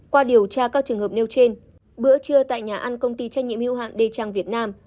qua điều tra các trường hợp nêu trên bữa trưa tại nhà ăn công ty trách nhiệm hưu hạn đê trang việt nam